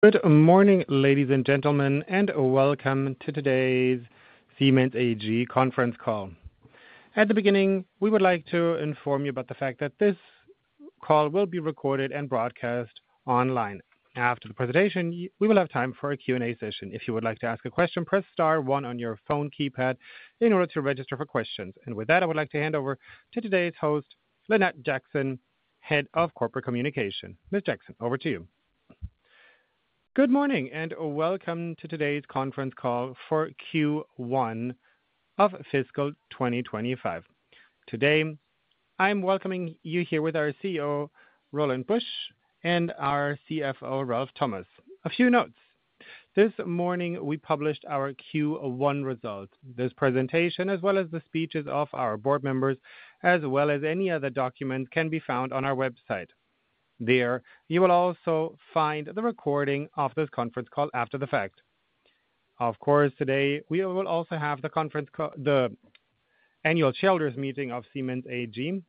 Good morning, ladies and gentlemen, and welcome to today's Siemens AG conference call. At the beginning, we would like to inform you about the fact that this call will be recorded and broadcast online. After the presentation, we will have time for a Q&A session. If you would like to ask a question, press star one on your phone keypad in order to register for questions. And with that, I would like to hand over to today's host, Lynette Jackson, Head of Corporate Communication. Ms. Jackson, over to you. Good morning and welcome to today's conference call for Q1 of fiscal 2025. Today, I'm welcoming you here with our CEO, Roland Busch, and our CFO, Ralf Thomas. A few notes. This morning, we published our Q1 results. This presentation, as well as the speeches of our board members, as well as any other documents, can be found on our website. There, you will also find the recording of this conference call after the fact. Of course, today, we will also have the annual shareholders meeting of Siemens AG.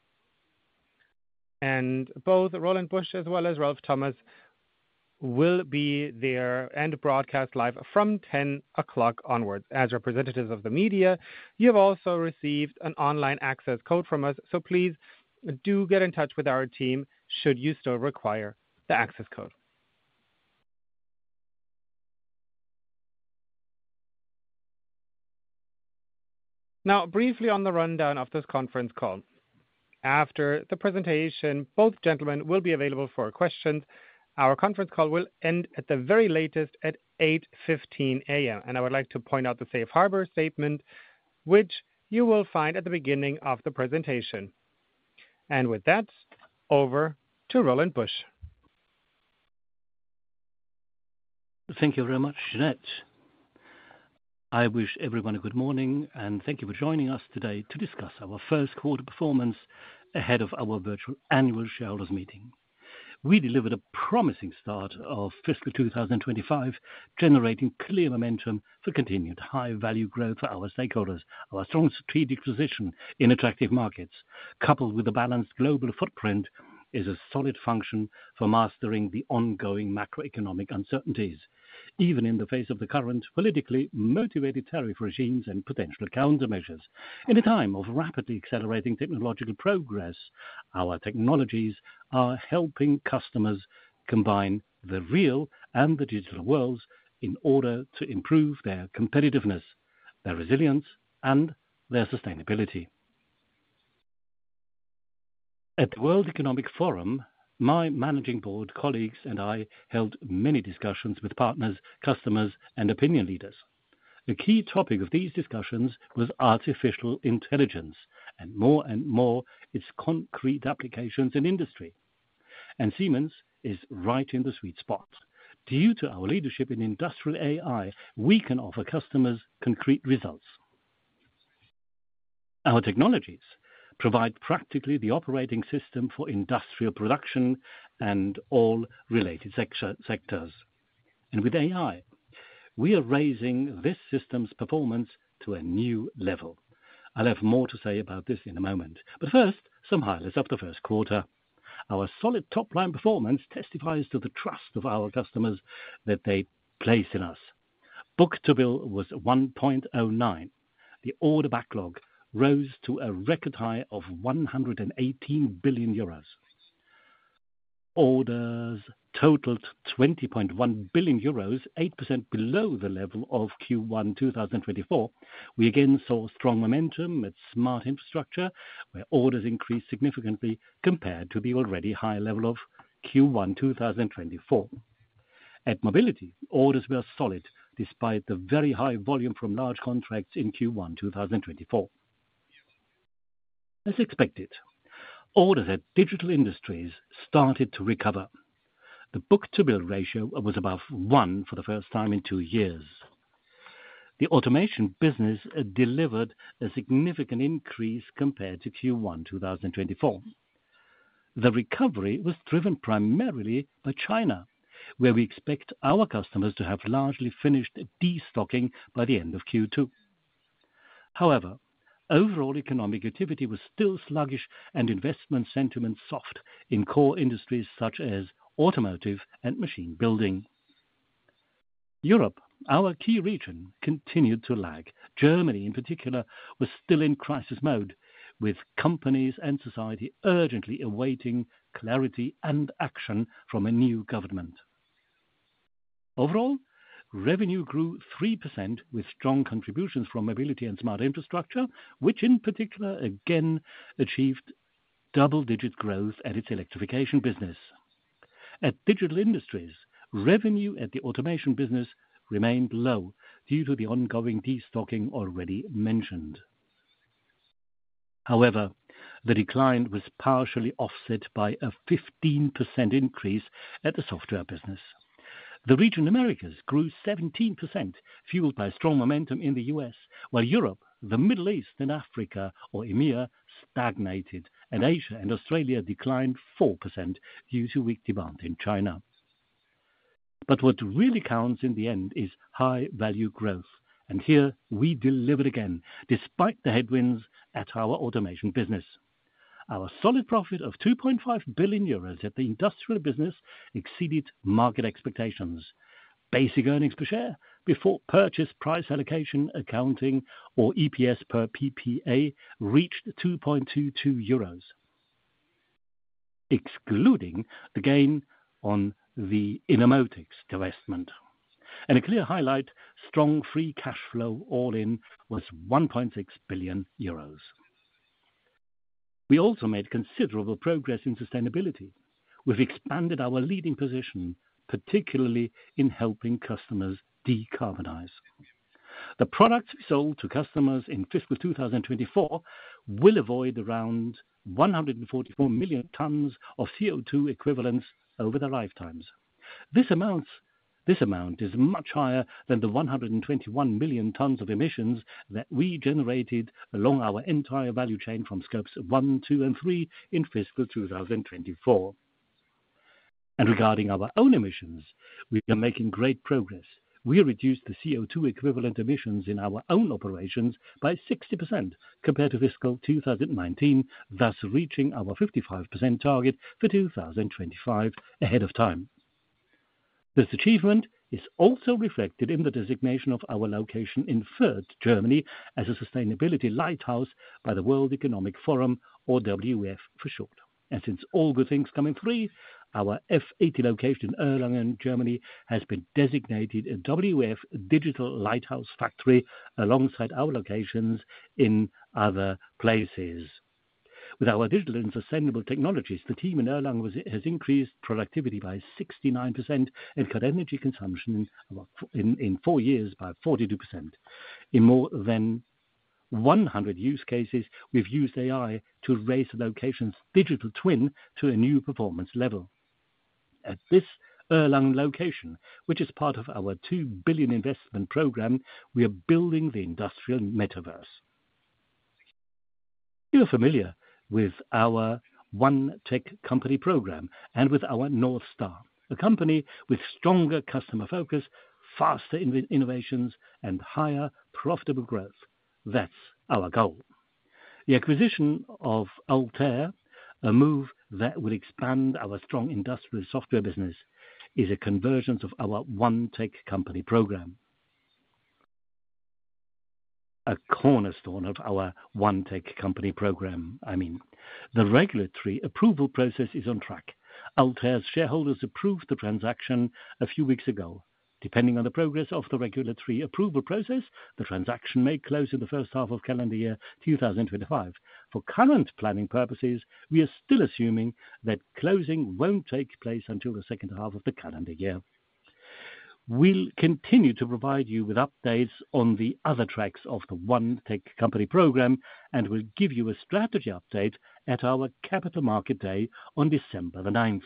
And both Roland Busch, as well as Ralf Thomas, will be there and broadcast live from 10:00 A.M. onwards. As representatives of the media, you have also received an online access code from us, so please do get in touch with our team should you still require the access code. Now, briefly on the rundown of this conference call. After the presentation, both gentlemen will be available for questions. Our conference call will end at the very latest at 8:15 A.M. And I would like to point out the Safe Harbor statement, which you will find at the beginning of the presentation. And with that, over to Roland Busch. Thank you very much, Lynette. I wish everyone a good morning, and thank you for joining us today to discuss our first quarter performance ahead of our virtual annual shareholders meeting. We delivered a promising start of fiscal 2025, generating clear momentum for continued high-value growth for our stakeholders. Our strong strategic position in attractive markets, coupled with a balanced global footprint, is a solid foundation for mastering the ongoing macroeconomic uncertainties, even in the face of the current politically motivated tariff regimes and potential countermeasures. In a time of rapidly accelerating technological progress, our technologies are helping customers combine the real and the digital worlds in order to improve their competitiveness, their resilience, and their sustainability. At the World Economic Forum, my managing board colleagues and I held many discussions with partners, customers, and opinion leaders. A key topic of these discussions was artificial intelligence and more and more its concrete applications in industry. And Siemens is right in the sweet spot. Due to our leadership in industrial AI, we can offer customers concrete results. Our technologies provide practically the operating system for industrial production and all related sectors. And with AI, we are raising this system's performance to a new level. I'll have more to say about this in a moment. But first, some highlights of the first quarter. Our solid top-line performance testifies to the trust of our customers that they place in us. book-to-bill was 1.09. The order backlog rose to a record high of 118 billion euros. Orders totaled 20.1 billion euros, 8% below the level of Q1 2024. We again saw strong momentum at Smart Infrastructure, where orders increased significantly compared to the already high level of Q1 2024. At Mobility, orders were solid despite the very high volume from large contracts in Q1 2024. As expected, orders at Digital Industries started to recover. The book-to-bill ratio was above one for the first time in two years. The automation business delivered a significant increase compared to Q1 2024. The recovery was driven primarily by China, where we expect our customers to have largely finished de-stocking by the end of Q2. However, overall economic activity was still sluggish and investment sentiment soft in core industries such as automotive and machine building. Europe, our key region, continued to lag. Germany, in particular, was still in crisis mode, with companies and society urgently awaiting clarity and action from a new government. Overall, revenue grew 3% with strong contributions from Mobility and Smart Infrastructure, which in particular again achieved double-digit growth at its Electrification business. At Digital Industries, revenue at the automation business remained low due to the ongoing de-stocking already mentioned. However, the decline was partially offset by a 15% increase at the software business. The region in the Americas grew 17%, fueled by strong momentum in the U.S., while Europe, the Middle East, and Africa, or EMEA, stagnated, and Asia and Australia declined 4% due to weak demand in China. But what really counts in the end is high-value growth. And here, we delivered again, despite the headwinds at our automation business. Our solid profit of 2.5 billion euros at the industrial business exceeded market expectations. Basic earnings per share before purchase price allocation accounting, or EPS before PPA, reached EUR 2.22, excluding the gain on the Innomotics divestment. And a clear highlight, strong free cash flow all in was 1.6 billion euros. We also made considerable progress in sustainability. We've expanded our leading position, particularly in helping customers decarbonize. The products we sold to customers in fiscal 2024 will avoid around 144 million tons of CO2 equivalents over their lifetimes. This amount is much higher than the 121 million tons of emissions that we generated along our entire value chain from scopes one, two, and three in fiscal 2024. And regarding our own emissions, we are making great progress. We reduced the CO2 equivalent emissions in our own operations by 60% compared to fiscal 2019, thus reaching our 55% target for 2025 ahead of time. This achievement is also reflected in the designation of our location in Fürth, Germany, as a sustainability lighthouse by the World Economic Forum, or WEF for short. And since all good things come in three, our F80 location in Erlangen, Germany, has been designated a WEF Digital Lighthouse Factory alongside our locations in other places. With our digital and sustainable technologies, the team in Erlangen has increased productivity by 69% and cut energy consumption in four years by 42%. In more than 100 use cases, we've used AI to raise the location's digital twin to a new performance level. At this Erlangen location, which is part of our 2 billion investment program, we are building the Industrial Metaverse. You're familiar with our One Tech Company program and with our North Star, a company with stronger customer focus, faster innovations, and higher profitable growth. That's our goal. The acquisition of Altair, a move that will expand our strong industrial software business, is a convergence of our One Tech Company program. A cornerstone of our One Tech Company program, I mean. The regulatory approval process is on track. Altair's shareholders approved the transaction a few weeks ago. Depending on the progress of the regulatory approval process, the transaction may close in the first half of calendar year 2025. For current planning purposes, we are still assuming that closing won't take place until the second half of the calendar year. We'll continue to provide you with updates on the other tracks of the One Tech Company program and will give you a strategy update at our Capital Market Day on December the 9th.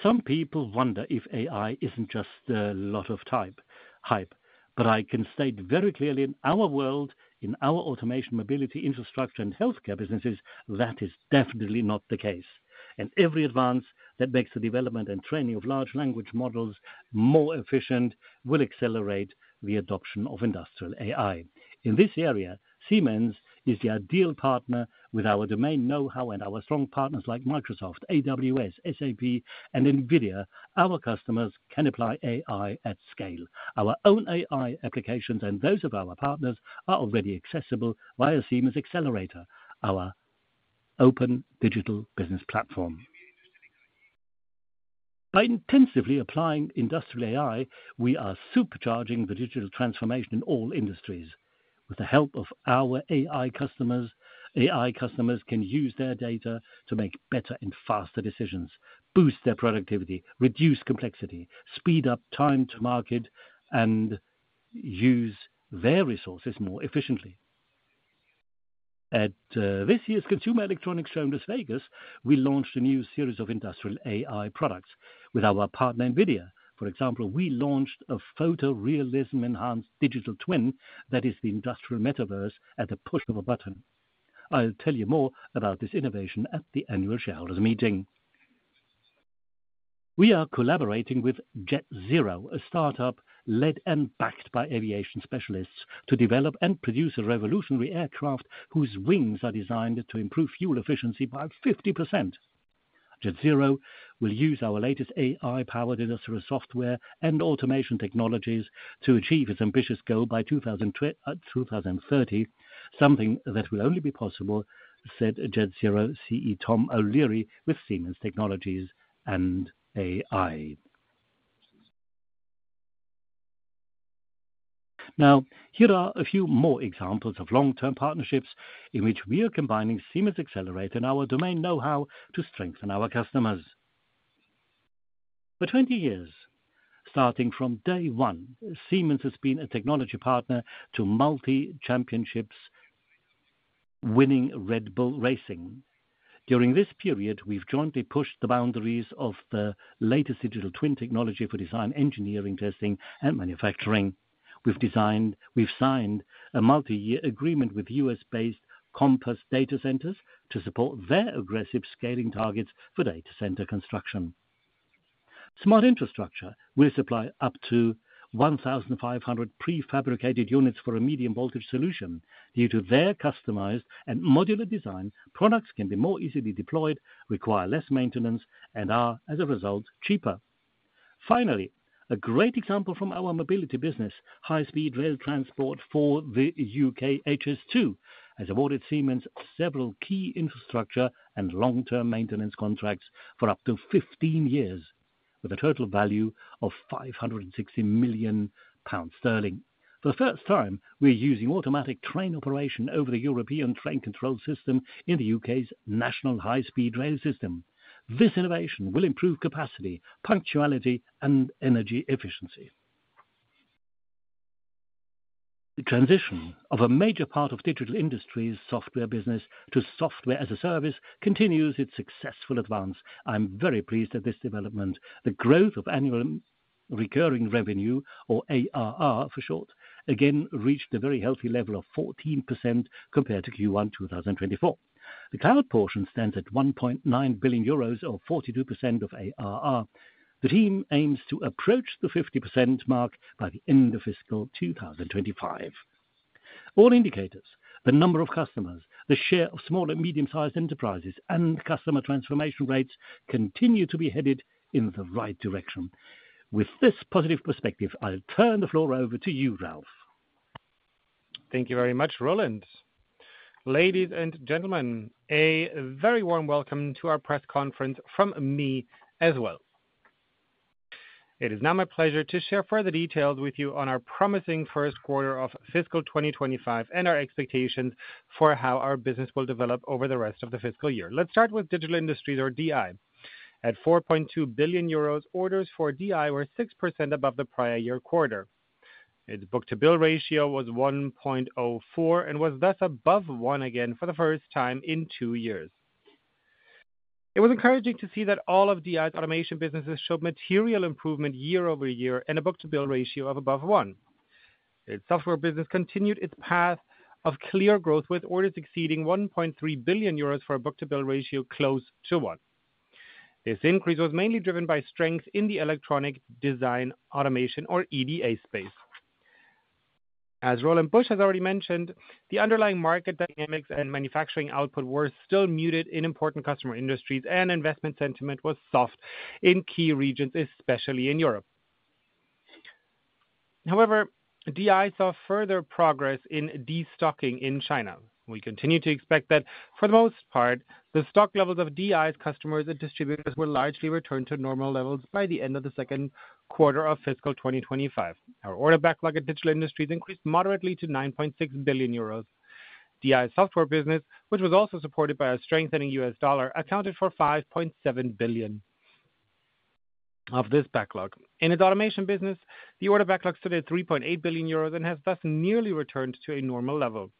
Some people wonder if AI isn't just a lot of hype. But I can state very clearly, in our world, in our automation, mobility, infrastructure, and healthcare businesses, that is definitely not the case. Every advance that makes the development and training of large language models more efficient will accelerate the adoption of industrial AI. In this area, Siemens is the ideal partner. With our domain know-how and our strong partners like Microsoft, AWS, SAP, and NVIDIA, our customers can apply AI at scale. Our own AI applications and those of our partners are already accessible via Siemens Xcelerator, our open digital business platform. By intensively applying industrial AI, we are supercharging the digital transformation in all industries. With the help of our AI, customers can use their data to make better and faster decisions, boost their productivity, reduce complexity, speed up time to market, and use their resources more efficiently. At this year's Consumer Electronics Show in Las Vegas, we launched a new series of industrial AI products. With our partner, NVIDIA, for example, we launched a photorealism-enhanced digital twin that is the industrial metaverse at the push of a button. I'll tell you more about this innovation at the annual shareholders meeting. We are collaborating with JetZero, a startup led and backed by aviation specialists, to develop and produce a revolutionary aircraft whose wings are designed to improve fuel efficiency by 50%. JetZero will use our latest AI-powered industrial software and automation technologies to achieve its ambitious goal by 2030, something that will only be possible, said JetZero CEO Tom O'Leary with Siemens Technologies and AI. Now, here are a few more examples of long-term partnerships in which we are combining Siemens Xcelerator and our domain know-how to strengthen our customers. For 20 years, starting from day one, Siemens has been a technology partner to multi-championship-winning Red Bull Racing. During this period, we've jointly pushed the boundaries of the latest digital twin technology for design, engineering, testing, and manufacturing. We've signed a multi-year agreement with U.S.-based Compass Datacenters to support their aggressive scaling targets for data center construction. Smart Infrastructure will supply up to 1,500 prefabricated units for a medium voltage solution. Due to their customized and modular design, products can be more easily deployed, require less maintenance, and are, as a result, cheaper. Finally, a great example from our mobility business, high-speed rail transport for the U.K.'s HS2, has awarded Siemens several key infrastructure and long-term maintenance contracts for up to 15 years, with a total value of 560 million pounds. For the first time, we're using automatic train operation over the European train control system in the U.K.'s national high-speed rail system. This innovation will improve capacity, punctuality, and energy efficiency. The transition of a major part of Digital Industries' software business to software as a service continues its successful advance. I'm very pleased at this development. The growth of annual recurring revenue, or ARR for short, again reached a very healthy level of 14% compared to Q1 2024. The cloud portion stands at 1.9 billion euros, or 42% of ARR. The team aims to approach the 50% mark by the end of fiscal 2025. All indicators, the number of customers, the share of small and medium-sized enterprises, and customer transformation rates continue to be headed in the right direction. With this positive perspective, I'll turn the floor over to you, Ralf. Thank you very much, Roland. Ladies and gentlemen, a very warm welcome to our press conference from me as well. It is now my pleasure to share further details with you on our promising first quarter of fiscal 2025 and our expectations for how our business will develop over the rest of the fiscal year. Let's start with Digital Industries, or DI. At 4.2 billion euros, orders for DI were 6% above the prior year quarter. Its book-to-bill ratio was 1.04 and was thus above one again for the first time in two years. It was encouraging to see that all of DI's automation businesses showed material improvement year over year and a book-to-bill ratio of above one. Its software business continued its path of clear growth with orders exceeding 1.3 billion euros for a book-to-bill ratio close to one. This increase was mainly driven by strength in the Electronic Design Automation, or EDA space. As Roland Busch has already mentioned, the underlying market dynamics and manufacturing output were still muted in important customer industries, and investment sentiment was soft in key regions, especially in Europe. However, DI saw further progress in de-stocking in China. We continue to expect that, for the most part, the stock levels of DI's customers and distributors will largely return to normal levels by the end of the second quarter of fiscal 2025. Our order backlog at Digital Industries increased moderately to 9.6 billion euros. DI's software business, which was also supported by a strengthening US dollar, accounted for 5.7 billion of this backlog. In its automation business, the order backlog stood at 3.8 billion euros and has thus nearly returned to a normal level.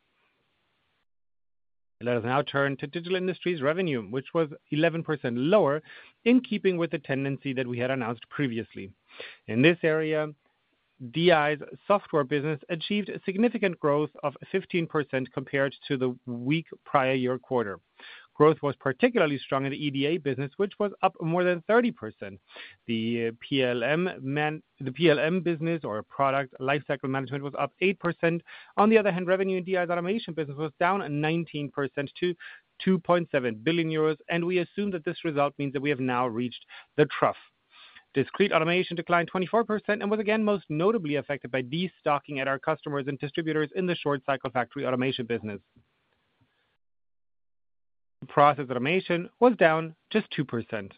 Let us now turn to Digital Industries revenue, which was 11% lower in keeping with the tendency that we had announced previously. In this area, DI's software business achieved significant growth of 15% compared to the weak prior year quarter. Growth was particularly strong in the EDA business, which was up more than 30%. The PLM business, or product lifecycle management, was up 8%. On the other hand, revenue in DI's automation business was down 19% to 2.7 billion euros, and we assume that this result means that we have now reached the trough. Discrete automation declined 24% and was again most notably affected by de-stocking at our customers and distributors in the short-cycle factory automation business. Process automation was down just 2%.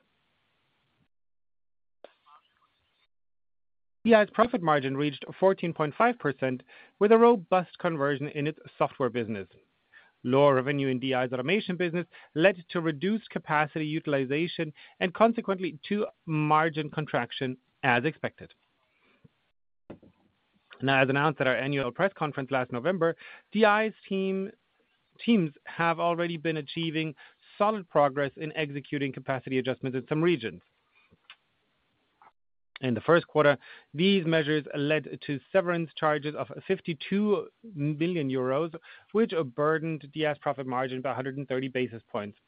DI's profit margin reached 14.5% with a robust conversion in its software business. Lower revenue in DI's automation business led to reduced capacity utilization and consequently to margin contraction, as expected. Now, as announced at our annual press conference last November, DI's teams have already been achieving solid progress in executing capacity adjustments in some regions. In the first quarter, these measures led to severance charges of 52 million euros, which burdened DI's profit margin by 130 basis points.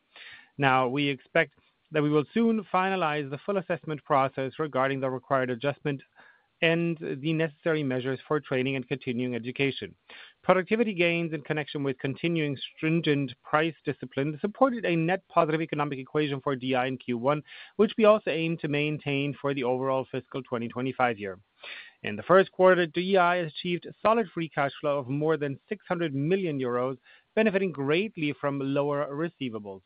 Now, we expect that we will soon finalize the full assessment process regarding the required adjustment and the necessary measures for training and continuing education. Productivity gains in connection with continuing stringent price discipline supported a net positive economic equation for DI in Q1, which we also aim to maintain for the overall fiscal 2025 year. In the first quarter, DI achieved solid free cash flow of more than 600 million euros, benefiting greatly from lower receivables.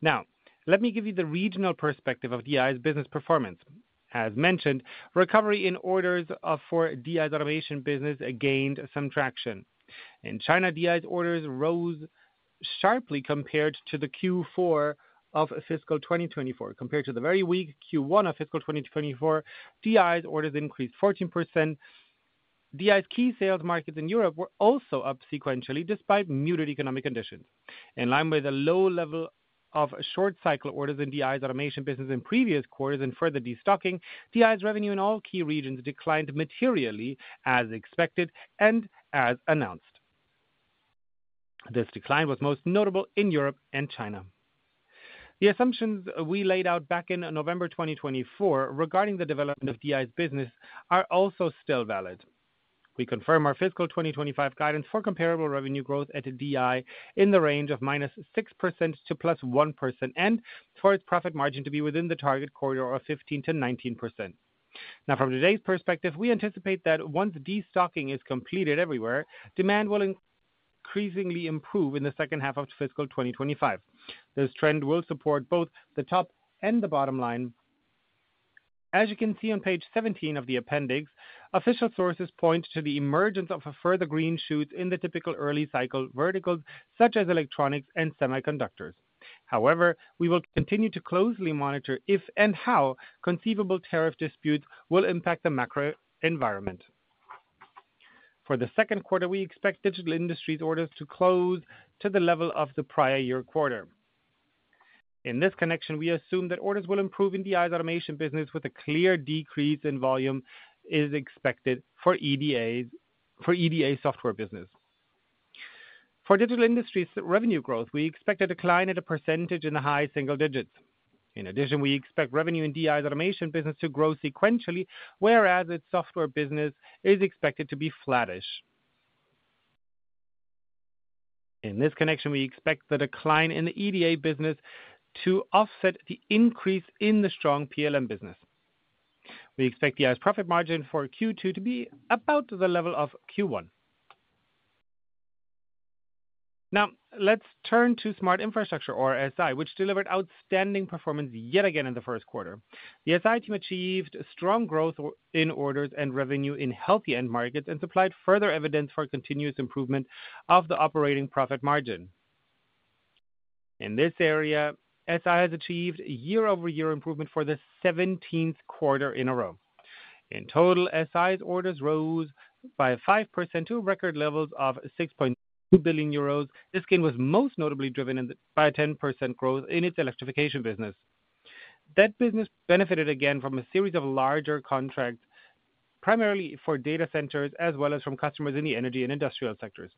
Now, let me give you the regional perspective of DI's business performance. As mentioned, recovery in orders for DI's automation business gained some traction. In China, DI's orders rose sharply compared to the Q4 of fiscal 2024. Compared to the very weak Q1 of fiscal 2024, DI's orders increased 14%. DI's key sales markets in Europe were also up sequentially despite muted economic conditions. In line with a low level of short-cycle orders in DI's automation business in previous quarters and further de-stocking, DI's revenue in all key regions declined materially, as expected and as announced. This decline was most notable in Europe and China. The assumptions we laid out back in November 2024 regarding the development of DI's business are also still valid. We confirm our fiscal 2025 guidance for comparable revenue growth at DI in the range of -6% to +1% and for its profit margin to be within the target quarter of 15%-19%. Now, from today's perspective, we anticipate that once de-stocking is completed everywhere, demand will increasingly improve in the second half of fiscal 2025. This trend will support both the top and the bottom line. As you can see on page 17 of the appendix, official sources point to the emergence of further green shoots in the typical early cycle verticals such as electronics and semiconductors. However, we will continue to closely monitor if and how conceivable tariff disputes will impact the macro environment. For the second quarter, we expect Digital Industries orders to close to the level of the prior year quarter. In this connection, we assume that orders will improve in DI's automation business, with a clear decrease in volume expected for EDA software business. For Digital Industries revenue growth, we expect a decline at high single percentage digits. In addition, we expect revenue in DI's automation business to grow sequentially, whereas its software business is expected to be flattish. In this connection, we expect the decline in the EDA business to offset the increase in the strong PLM business. We expect DI's profit margin for Q2 to be about the level of Q1. Now, let's turn to smart infrastructure, or SI, which delivered outstanding performance yet again in the first quarter. The SI team achieved strong growth in orders and revenue in healthy end markets and supplied further evidence for continuous improvement of the operating profit margin. In this area, SI has achieved year-over-year improvement for the 17th quarter in a row. In total, SI's orders rose by 5% to record levels of 6.2 billion euros. This gain was most notably driven by a 10% growth in its electrification business. That business benefited again from a series of larger contracts, primarily for data centers, as well as from customers in the energy and industrial sectors.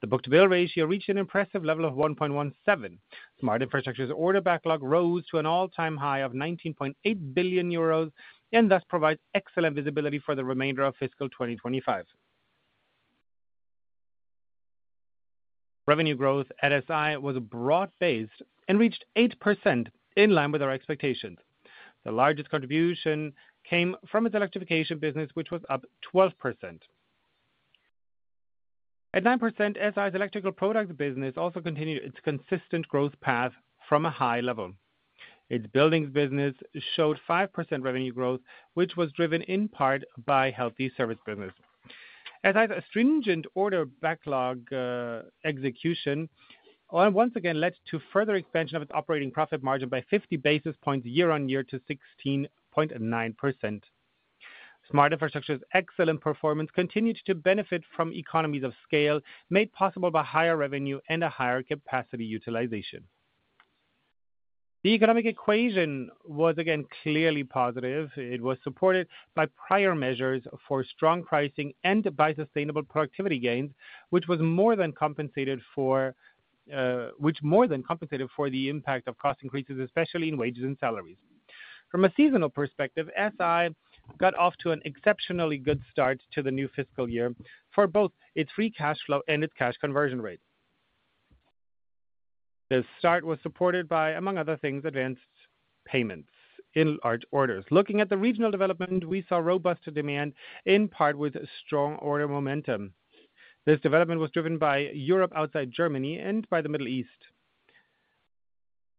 The book-to-bill ratio reached an impressive level of 1.17. Smart Infrastructure's order backlog rose to an all-time high of 19.8 billion euros and thus provides excellent visibility for the remainder of fiscal 2025. Revenue growth at SI was broad-based and reached 8% in line with our expectations. The largest contribution came from its electrification business, which was up 12%. At 9%, SI's electrical products business also continued its consistent growth path from a high level. Its buildings business showed 5% revenue growth, which was driven in part by healthy service business. SI's stringent order backlog execution once again led to further expansion of its operating profit margin by 50 basis points year-on-year to 16.9%. Smart Infrastructure's excellent performance continued to benefit from economies of scale made possible by higher revenue and a higher capacity utilization. The economic equation was again clearly positive. It was supported by prior measures for strong pricing and by sustainable productivity gains, which was more than compensated for the impact of cost increases, especially in wages and salaries. From a seasonal perspective, SI got off to an exceptionally good start to the new fiscal year for both its free cash flow and its cash conversion rate. This start was supported by, among other things, advanced payments in large orders. Looking at the regional development, we saw robust demand, in part with strong order momentum. This development was driven by Europe outside Germany and by the Middle East.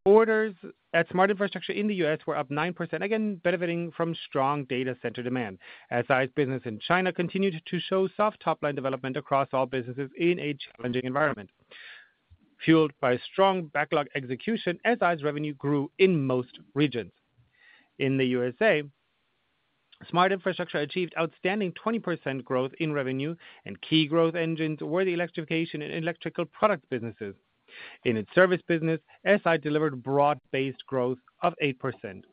Orders at Smart Infrastructure in the U.S. were up 9%, again benefiting from strong data center demand. SI's business in China continued to show soft topline development across all businesses in a challenging environment. Fueled by strong backlog execution, SI's revenue grew in most regions. In the USA, Smart Infrastructure achieved outstanding 20% growth in revenue, and key growth engines were the electrification and electrical products businesses. In its service business, SI delivered broad-based growth of 8%.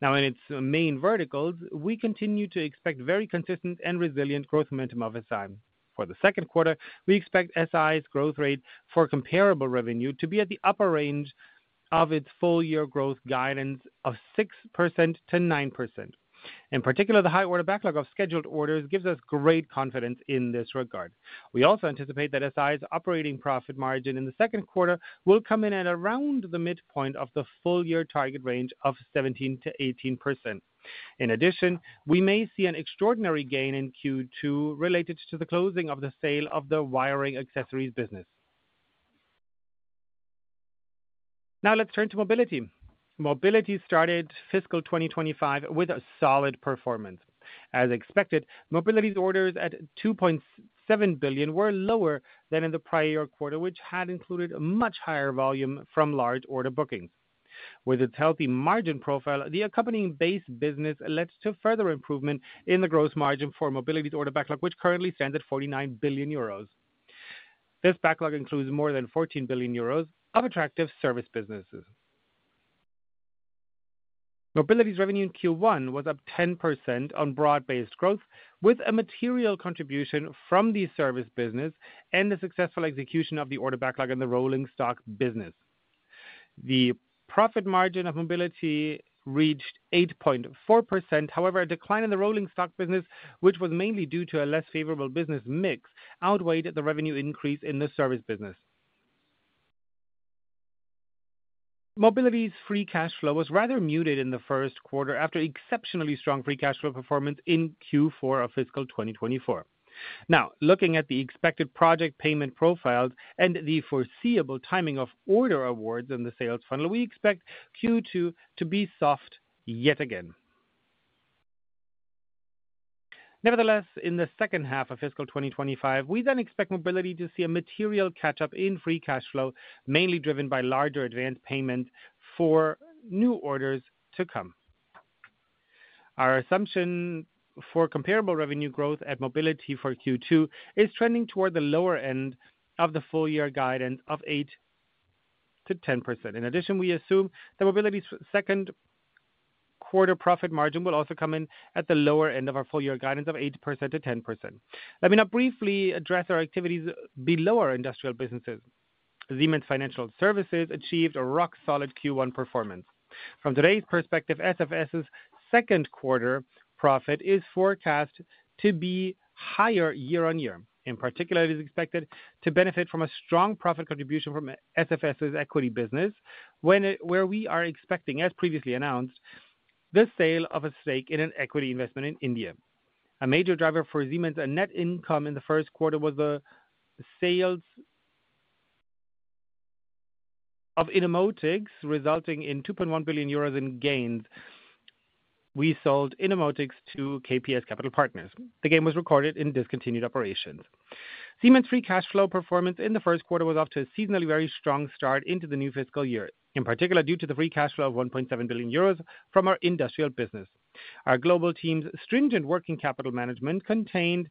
Now, in its main verticals, we continue to expect very consistent and resilient growth momentum of SI. For the second quarter, we expect SI's growth rate for comparable revenue to be at the upper range of its full-year growth guidance of 6%-9%. In particular, the high order backlog of scheduled orders gives us great confidence in this regard. We also anticipate that SI's operating profit margin in the second quarter will come in at around the midpoint of the full-year target range of 17%-18%. In addition, we may see an extraordinary gain in Q2 related to the closing of the sale of the wiring accessories business. Now, let's turn to Mobility. Mobility started fiscal 2025 with a solid performance. As expected, Mobility's orders at 2.7 billion were lower than in the prior year quarter, which had included much higher volume from large order bookings. With its healthy margin profile, the accompanying base business led to further improvement in the gross margin for Mobility's order backlog, which currently stands at 49 billion euros. This backlog includes more than 14 billion euros of attractive service businesses. Mobility's revenue in Q1 was up 10% on broad-based growth, with a material contribution from the service business and the successful execution of the order backlog in the rolling stock business. The profit margin of Mobility reached 8.4%. However, a decline in the rolling stock business, which was mainly due to a less favorable business mix, outweighed the revenue increase in the service business. Mobility's free cash flow was rather muted in the first quarter after exceptionally strong free cash flow performance in Q4 of fiscal 2024. Now, looking at the expected project payment profiles and the foreseeable timing of order awards in the sales funnel, we expect Q2 to be soft yet again. Nevertheless, in the second half of fiscal 2025, we then expect mobility to see a material catch-up in free cash flow, mainly driven by larger advanced payments for new orders to come. Our assumption for comparable revenue growth at mobility for Q2 is trending toward the lower end of the full-year guidance of 8%-10%. In addition, we assume that mobility's second quarter profit margin will also come in at the lower end of our full-year guidance of 8%-10%. Let me now briefly address our activities below our industrial businesses. Siemens Financial Services achieved a rock-solid Q1 performance. From today's perspective, SFS's second quarter profit is forecast to be higher year-on-year. In particular, it is expected to benefit from a strong profit contribution from SFS's equity business, where we are expecting, as previously announced, the sale of a stake in an equity investment in India. A major driver for Siemens' net income in the first quarter was the sale of Innomotics, resulting in 2.1 billion euros in gains. We sold Innomotics to KPS Capital Partners. The gain was recorded in discontinued operations. Siemens' free cash flow performance in the first quarter was off to a seasonally very strong start into the new fiscal year, in particular due to the free cash flow of 1.7 billion euros from our industrial business. Our global team's stringent working capital management contained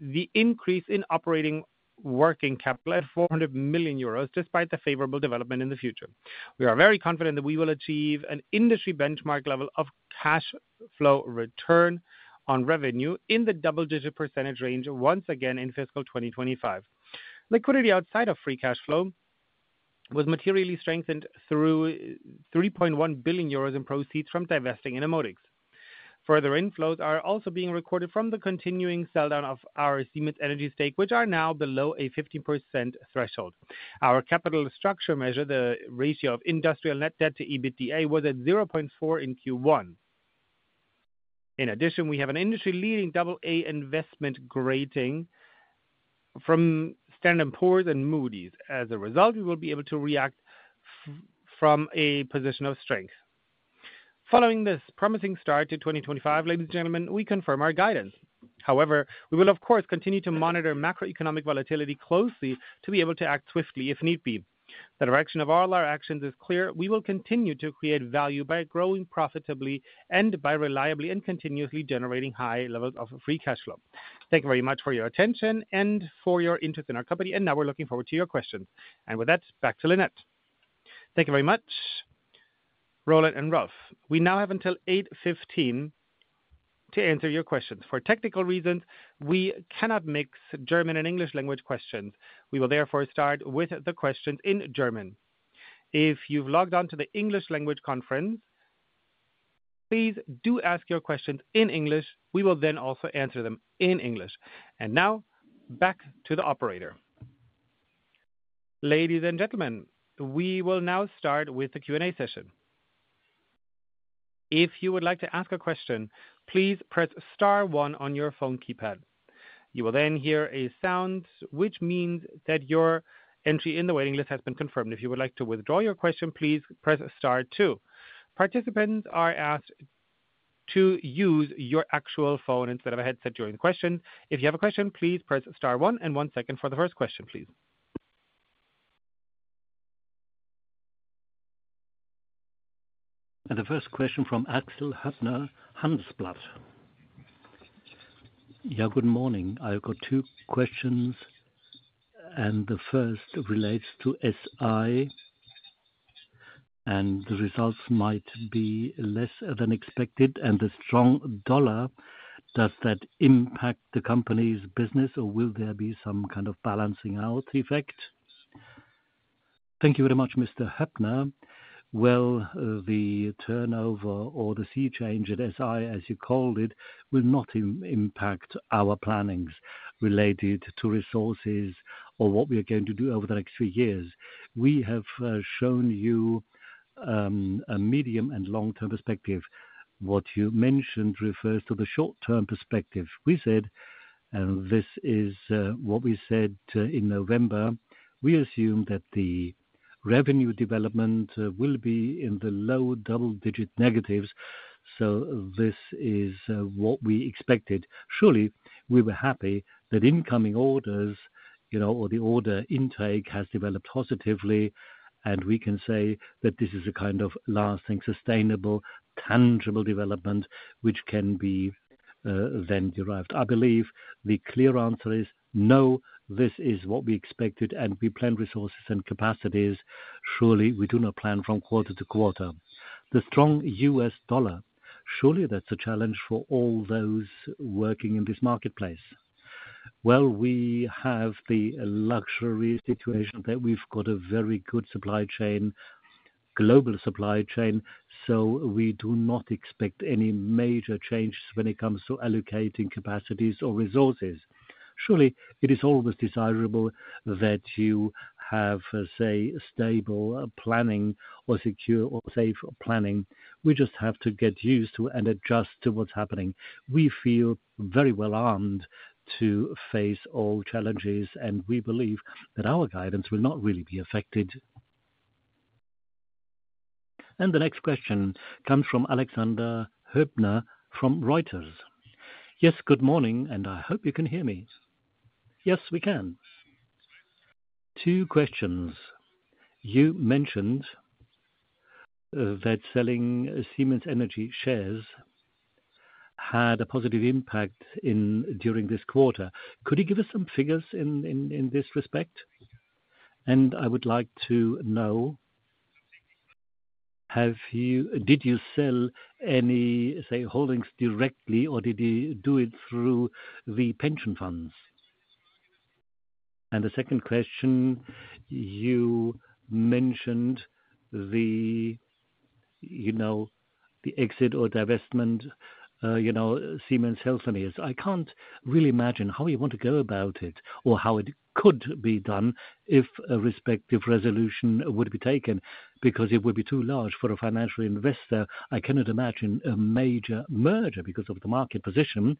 the increase in operating working capital at 400 million euros despite the favorable development in the future. We are very confident that we will achieve an industry benchmark level of cash flow return on revenue in the double-digit percentage range once again in fiscal 2025. Liquidity outside of free cash flow was materially strengthened through 3.1 billion euros in proceeds from divesting Innomotics. Further inflows are also being recorded from the continuing sell-down of our Siemens Energy stake, which are now below a 15% threshold. Our capital structure measure, the ratio of industrial net debt to EBITDA, was at 0.4 in Q1. In addition, we have an industry-leading AA investment grading from Standard & Poor's and Moody's. As a result, we will be able to react from a position of strength. Following this promising start to 2025, ladies and gentlemen, we confirm our guidance. However, we will, of course, continue to monitor macroeconomic volatility closely to be able to act swiftly if need be. The direction of all our actions is clear. We will continue to create value by growing profitably and by reliably and continuously generating high levels of free cash flow. Thank you very much for your attention and for your interest in our company. And now we're looking forward to your questions. And with that, back to Lynette. Thank you very much, Roland and Ralf. We now have until 8:15 A.M. to answer your questions. For technical reasons, we cannot mix German and English language questions. We will therefore start with the questions in German. If you've logged on to the English language conference, please do ask your questions in English. We will then also answer them in English. And now back to the operator. Ladies and gentlemen, we will now start with the Q&A session. If you would like to ask a question, please press Star one on your phone keypad. You will then hear a sound, which means that your entry in the waiting list has been confirmed. If you would like to withdraw your question, please press Star two. Participants are asked to use your actual phone instead of a headset during the questions. If you have a question, please press Star one and one second for the first question, please. And the first question from Axel Höpner, Handelsblatt. Yeah, good morning. I've got two questions, and the first relates to SI, and the results might be less than expected. And the strong dollar, does that impact the company's business, or will there be some kind of balancing-out effect? Thank you very much, Mr. Hübner. Well, the turnover or the sea change at SI, as you called it, will not impact our plannings related to resources or what we are going to do over the next few years. We have shown you a medium and long-term perspective. What you mentioned refers to the short-term perspective. We said, and this is what we said in November, we assume that the revenue development will be in the low double-digit negatives. So this is what we expected. Surely, we were happy that incoming orders, you know, or the order intake has developed positively, and we can say that this is a kind of lasting, sustainable, tangible development, which can be then derived. I believe the clear answer is no. This is what we expected, and we planned resources and capacities. Surely, we do not plan from quarter to quarter. The strong U.S. dollar, surely that's a challenge for all those working in this marketplace. Well, we have the luxury situation that we've got a very good supply chain, global supply chain, so we do not expect any major changes when it comes to allocating capacities or resources. Surely, it is always desirable that you have, say, stable planning or secure or safe planning. We just have to get used to and adjust to what's happening. We feel very well armed to face all challenges, and we believe that our guidance will not really be affected. The next question comes from Alexander Hübner from Reuters. Yes, good morning, and I hope you can hear me. Yes, we can. Two questions. You mentioned that selling Siemens Energy shares had a positive impact during this quarter. Could you give us some figures in this respect? And I would like to know, did you sell any, say, holdings directly, or did you do it through the pension funds? And the second question, you mentioned the, you know, the exit or divestment, you know, Siemens Healthineers. I can't really imagine how you want to go about it or how it could be done if a respective resolution would be taken because it would be too large for a financial investor. I cannot imagine a major merger because of the market position.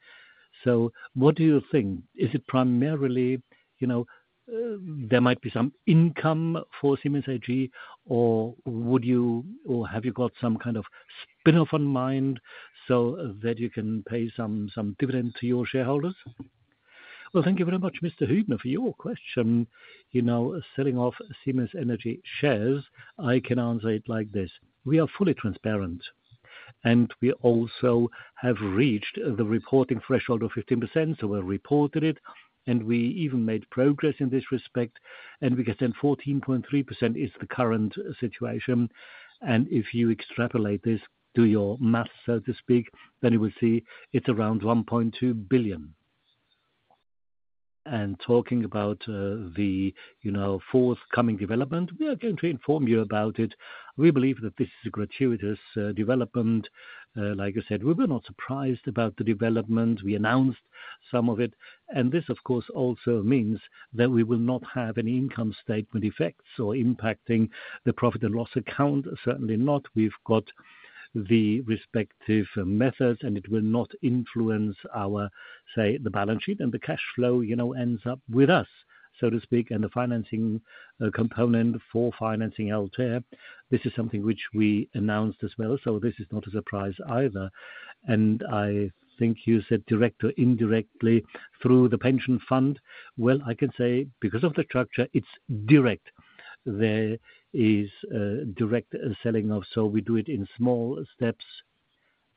So what do you think? Is it primarily, you know, there might be some income for Siemens AG, or would you or have you got some kind of spinoff in mind so that you can pay some dividend to your shareholders? Well, thank you very much, Mr. Hübner, for your question. You know, selling off Siemens Energy shares, I can answer it like this. We are fully transparent, and we also have reached the reporting threshold of 15%. So we've reported it, and we even made progress in this respect. And we stand at 14.3%. It is the current situation. And if you extrapolate this to your math, so to speak, then you will see it's around 1.2 billion. And talking about the, you know, forthcoming development, we are going to inform you about it. We believe that this is a gradual development. Like I said, we were not surprised about the development. We announced some of it. This, of course, also means that we will not have any income statement effects or impacting the profit and loss account. Certainly not. We've got the respective methods, and it will not influence our, say, the balance sheet and the cash flow, you know, ends up with us, so to speak, and the financing component for financing healthcare. This is something which we announced as well. This is not a surprise either. I think you said direct or indirectly through the pension fund. I can say because of the structure, it's direct. There is direct selling of, so we do it in small steps,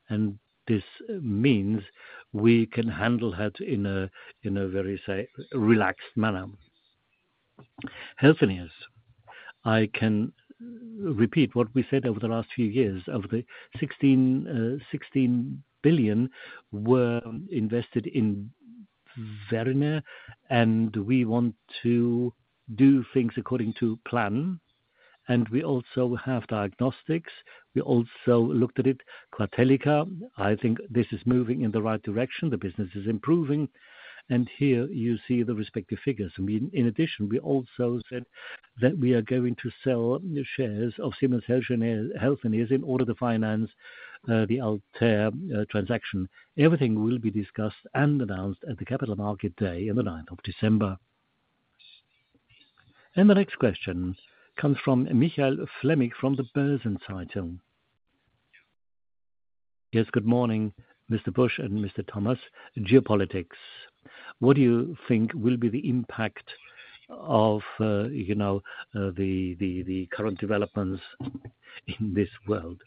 and this means we can handle it in a very, say, relaxed manner. Healthineers, I can repeat what we said over the last few years. Of the 16 billion we invested in Varian, and we want to do things according to plan. And we also have diagnostics. We also looked at it, Atellica. I think this is moving in the right direction. The business is improving. And here you see the respective figures. In addition, we also said that we are going to sell shares of Siemens Healthineers in order to finance the Altair transaction. Everything will be discussed and announced at the Capital Market Day on the 9th of December. And the next question comes from Michael Flämig from the Börsen-Zeitung. Yes, good morning, Mr. Busch and Mr. Thomas. Geopolitics, what do you think will be the impact of, you know, the current developments in this world?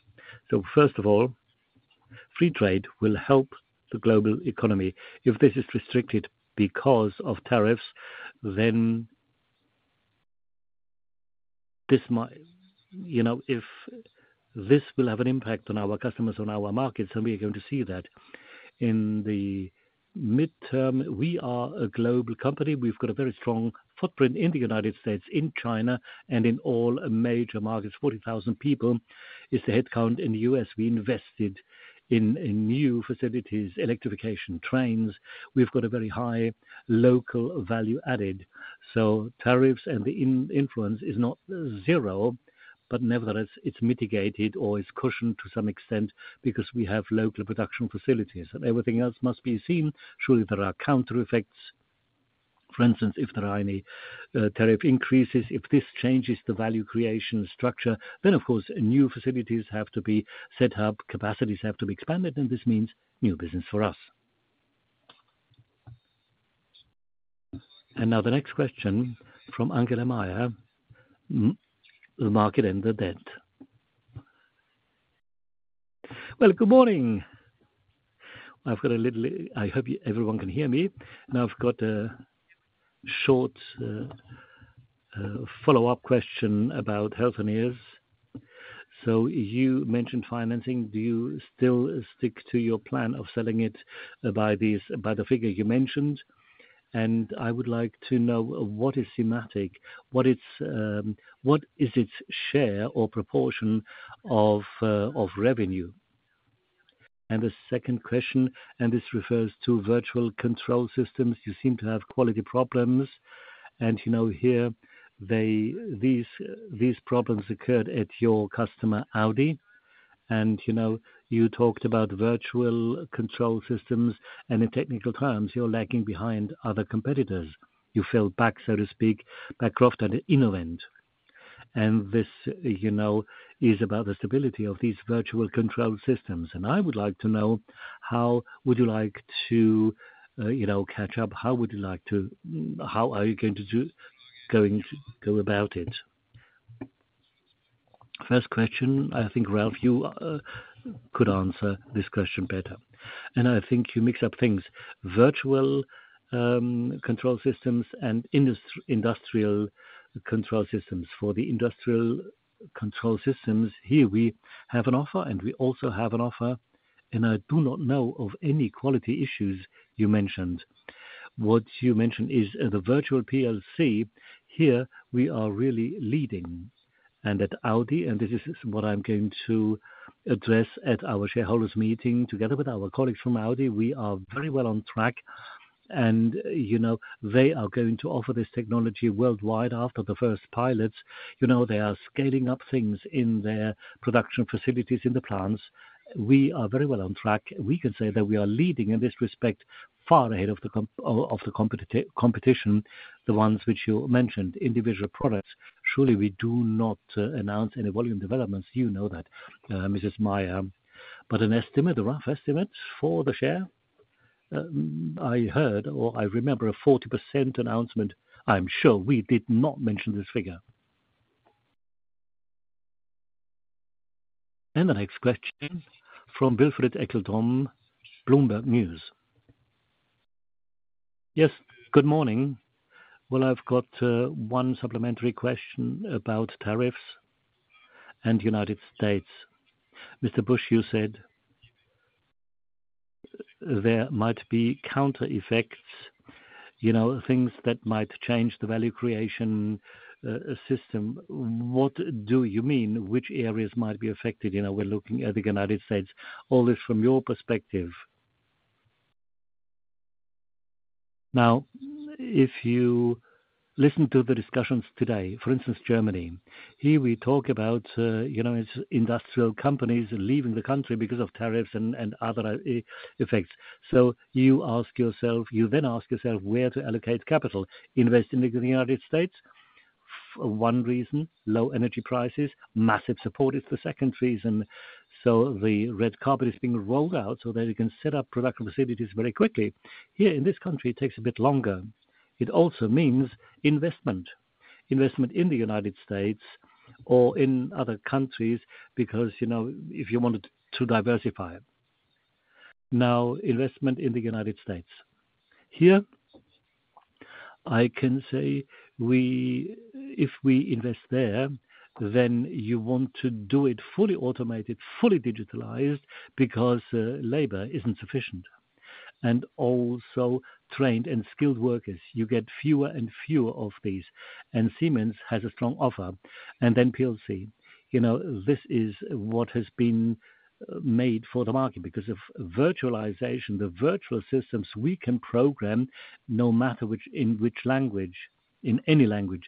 So first of all, free trade will help the global economy. If this is restricted because of tariffs, then this might, you know, if this will have an impact on our customers, on our markets, and we are going to see that in the midterm. We are a global company. We've got a very strong footprint in the United States, in China, and in all major markets. 40,000 people is the headcount in the U.S. We invested in new facilities, electrification, trains. We've got a very high local value added. So tariffs and the influence is not zero, but nevertheless, it's mitigated or it's cushioned to some extent because we have local production facilities. And everything else must be seen. Surely, there are counter effects. For instance, if there are any tariff increases, if this changes the value creation structure, then of course, new facilities have to be set up, capacities have to be expanded, and this means new business for us. And now the next question from Angela Maier, The Market/NZZ. Well, good morning. I've got a little, I hope everyone can hear me. Now I've got a short follow-up question about Healthineers. So you mentioned financing. Do you still stick to your plan of selling it by the figure you mentioned? And I would like to know what is SIMATIC, what is its share or proportion of revenue? And the second question, and this refers to virtual control systems, you seem to have quality problems. And you know, here, these problems occurred at your customer Audi. And you know, you talked about virtual control systems and in technical terms, you're lagging behind other competitors. You fell back, so to speak, by. And this, you know, is about the stability of these virtual control systems. And I would like to know how would you like to, you know, catch up? How would you like to, how are you going to go about it? First question, I think Ralf, you could answer this question better. And I think you mix up things. Virtual control systems and industrial control systems. For the industrial control systems, here we have an offer, and we also have an offer. And I do not know of any quality issues you mentioned. What you mentioned is the virtual PLC. Here, we are really leading. And at Audi, and this is what I'm going to address at our shareholders meeting together with our colleagues from Audi, we are very well on track. And you know, they are going to offer this technology worldwide after the first pilots. You know, they are scaling up things in their production facilities in the plants. We are very well on track. We can say that we are leading in this respect, far ahead of the competition, the ones which you mentioned, individual products. Surely, we do not announce any volume developments. You know that, Mrs. Maier. But an estimate, a rough estimate for the share, I heard, or I remember a 40% announcement. I'm sure we did not mention this figure. And the next question from Wilfried Eckl-Dorna, Bloomberg News. Yes, good morning. Well, I've got one supplementary question about tariffs and the United States. Mr. Busch, you said there might be counter effects, you know, things that might change the value creation system. What do you mean? Which areas might be affected? You know, we're looking at the United States. All this from your perspective. Now, if you listen to the discussions today, for instance, Germany, here we talk about, you know, industrial companies leaving the country because of tariffs and other effects. So you ask yourself, you then ask yourself where to allocate capital. Invest in the United States. One reason, low energy prices, massive support is the second reason. So the red carpet is being rolled out so that you can set up production facilities very quickly. Here in this country, it takes a bit longer. It also means investment, investment in the United States or in other countries because, you know, if you wanted to diversify. Now, investment in the United States. Here, I can say if we invest there, then you want to do it fully automated, fully digitalized because labor isn't sufficient, and also trained and skilled workers. You get fewer and fewer of these, and Siemens has a strong offer, and then PLC. You know, this is what has been made for the market because of virtualization, the virtual systems we can program no matter which in which language, in any language.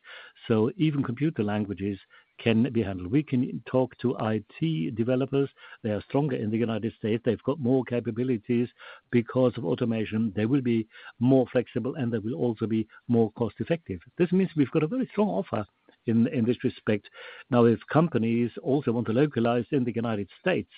So even computer languages can be handled. We can talk to IT developers. They are stronger in the United States. They've got more capabilities because of automation. They will be more flexible, and they will also be more cost-effective. This means we've got a very strong offer in this respect. Now, if companies also want to localize in the United States,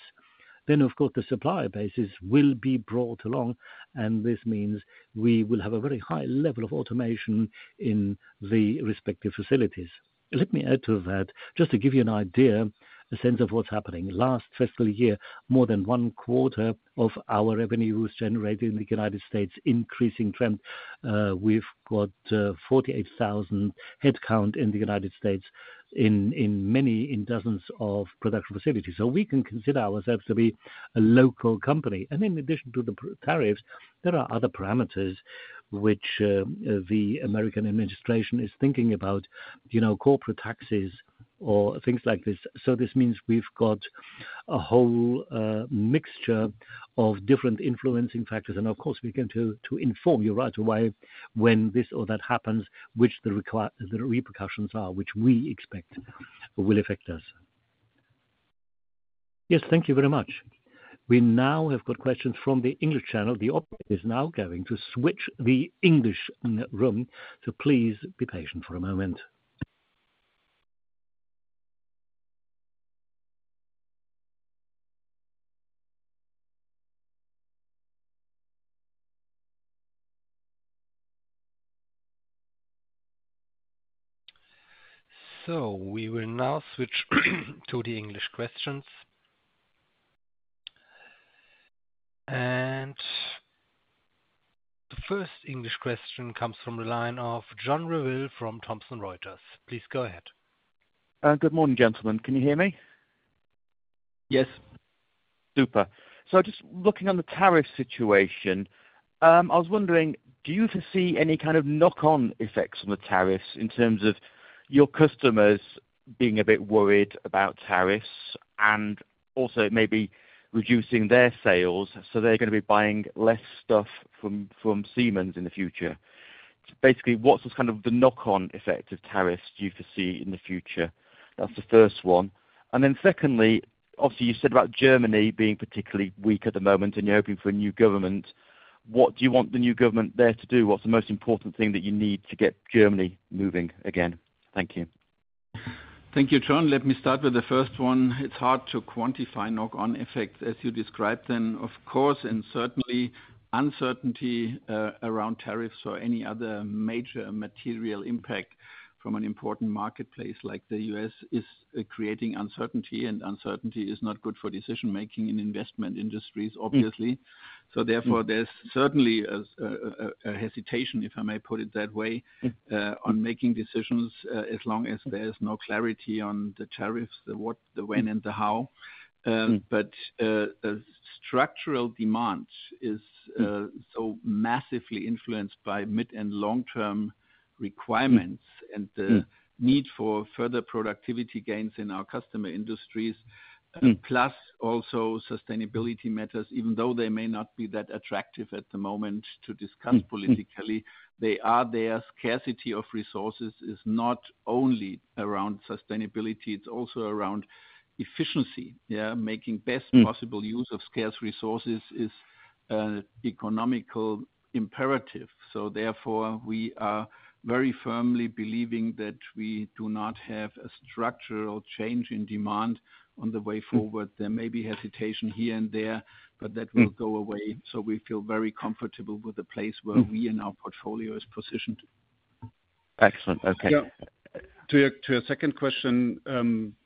then of course the supply bases will be brought along. This means we will have a very high level of automation in the respective facilities. Let me add to that, just to give you an idea, a sense of what's happening. Last fiscal year, more than one quarter of our revenue was generated in the United States, increasing trend. We've got 48,000 headcount in the United States in many dozens of production facilities. So we can consider ourselves to be a local company. And in addition to the tariffs, there are other parameters which the American administration is thinking about, you know, corporate taxes or things like this. So this means we've got a whole mixture of different influencing factors. And of course, we can to inform you right away when this or that happens, which the repercussions are, which we expect will affect us. Yes, thank you very much. We now have got questions from the English channel. The audience is now going to switch the English room. So please be patient for a moment. So we will now switch to the English questions. And the first English question comes from the line of John Revill from Thomson Reuters. Please go ahead. Good morning, gentlemen. Can you hear me? Yes. Super. So just looking on the tariff situation, I was wondering, do you foresee any kind of knock-on effects on the tariffs in terms of your customers being a bit worried about tariffs and also maybe reducing their sales so they're going to be buying less stuff from Siemens in the future? Basically, what's kind of the knock-on effect of tariffs you foresee in the future? That's the first one. And then secondly, obviously you said about Germany being particularly weak at the moment and you're hoping for a new government. What do you want the new government there to do? What's the most important thing that you need to get Germany moving again? Thank you. Thank you, John. Let me start with the first one. It's hard to quantify knock-on effects as you described then. Of course, and certainly uncertainty around tariffs or any other major material impact from an important marketplace like the U.S. is creating uncertainty, and uncertainty is not good for decision-making in investment industries, obviously. So therefore, there's certainly a hesitation, if I may put it that way, on making decisions as long as there's no clarity on the tariffs, the what, the when, and the how. But structural demand is so massively influenced by mid and long-term requirements and the need for further productivity gains in our customer industries, plus also sustainability matters, even though they may not be that attractive at the moment to discuss politically. They are there. Scarcity of resources is not only around sustainability. It's also around efficiency. Making best possible use of scarce resources is an economical imperative. So therefore, we are very firmly believing that we do not have a structural change in demand on the way forward. There may be hesitation here and there, but that will go away. So we feel very comfortable with the place where we and our portfolio are positioned. Excellent. Okay. To your second question,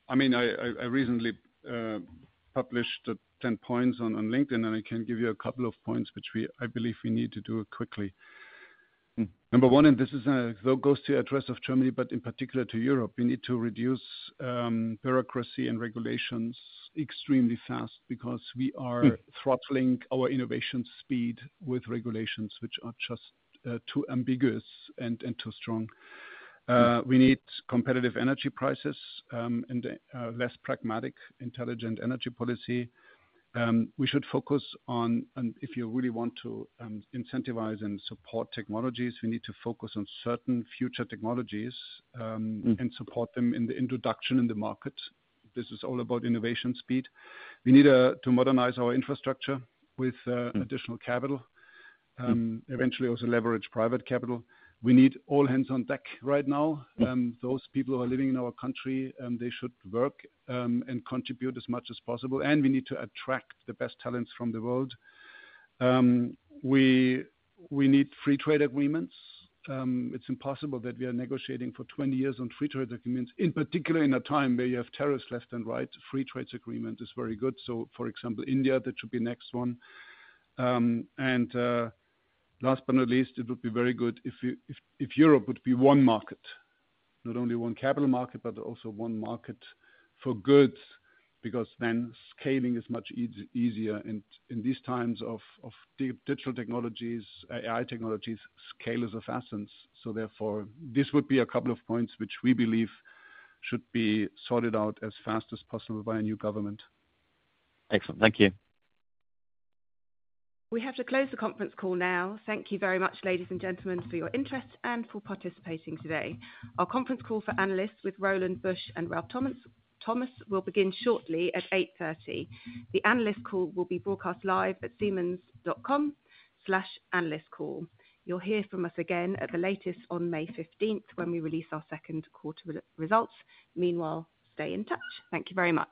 I mean, I recently published the 10 points on LinkedIn, and I can give you a couple of points, which I believe we need to do quickly. Number one, and this is a call to address Germany, but in particular to Europe, we need to reduce bureaucracy and regulations extremely fast because we are throttling our innovation speed with regulations, which are just too ambiguous and too strong. We need competitive energy prices and a more pragmatic, intelligent energy policy. We should focus on, and if you really want to incentivize and support technologies, we need to focus on certain future technologies and support them in the introduction in the market. This is all about innovation speed. We need to modernize our infrastructure with additional capital, eventually also leverage private capital. We need all hands on deck right now. Those people who are living in our country, they should work and contribute as much as possible. And we need to attract the best talents from the world. We need free trade agreements. It's impossible that we are negotiating for 20 years on free trade agreements, in particular in a time where you have tariffs left and right. Free trade agreement is very good. So, for example, India, that should be next one. And last but not least, it would be very good if Europe would be one market, not only one capital market, but also one market for goods, because then scaling is much easier. And in these times of digital technologies, AI technologies, scale is of essence. So therefore, this would be a couple of points which we believe should be sorted out as fast as possible by a new government. Excellent. Thank you. We have to close the conference call now. Thank you very much, ladies and gentlemen, for your interest and for participating today. Our conference call for analysts with Roland Busch and Ralf Thomas will begin shortly at 8:30 A.M. The analyst call will be broadcast live at siemens.com slash analyst call. You'll hear from us again at the latest on May 15th when we release our second quarter results. Meanwhile, stay in touch. Thank you very much.